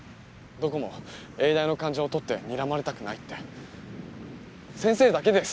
どこも永大の患者をとってにらまれたくないって先生だけです